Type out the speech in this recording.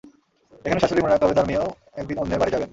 এখানে শাশুড়ির মনে রাখতে হবে তাঁর মেয়েও একদিন অন্যের বাড়ি যাবেন।